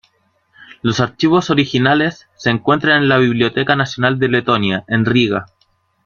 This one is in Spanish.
Los archivos originales se encuentran en la Biblioteca Nacional de Letonia, en Riga.